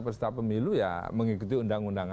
peserta pemilu ya mengikuti undang undang